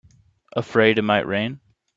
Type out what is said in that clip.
Afraid it might rain?